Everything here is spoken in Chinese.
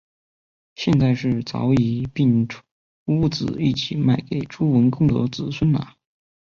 现在是早已并屋子一起卖给朱文公的子孙了